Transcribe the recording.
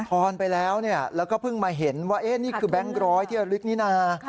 ออนไปแล้วแล้วก็เพิ่งมาเห็นว่านี่คือแบงค์ร้อยที่ระลึกนี้นะ